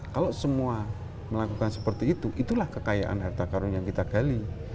kalau semua melakukan seperti itu itulah kekayaan harta karun yang kita gali